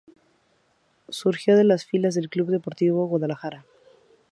Surgió de las filas del Club Deportivo Guadalajara.